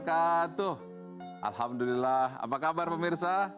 alhamdulillah apa kabar pemirsa